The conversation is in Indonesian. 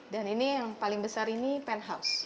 dan ini yang paling besar ini penthouse